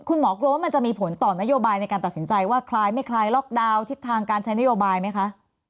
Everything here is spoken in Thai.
กลัวว่ามันจะมีผลต่อนโยบายในการตัดสินใจว่าคล้ายไม่คล้ายล็อกดาวน์ทิศทางการใช้นโยบายไหมคะ